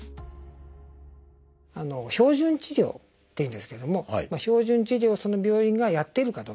「標準治療」っていうんですけれども標準治療をその病院がやっているかどうか。